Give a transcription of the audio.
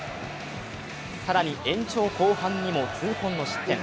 更に延長後半にも痛恨の失点。